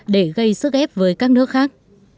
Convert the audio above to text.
để gây sức ép với các nước khác